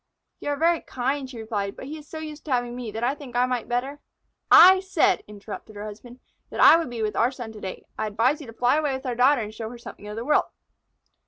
"You are very kind," she replied, "but he is so used to having me that I think I might better " "I said," interrupted her husband, "that I would be with our son to day. I advise you to fly away with our daughter and show her something of the world."